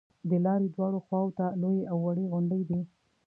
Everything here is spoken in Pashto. د لارې دواړو خواو ته لویې او وړې غونډې دي.